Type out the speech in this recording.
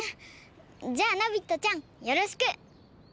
じゃあナビットちゃんよろしく！